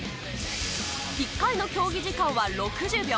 １回の競技時間は６０秒。